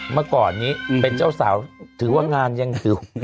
เมื่อก่อนนี้เป็นเจ้าสาวถือว่างานยังหิว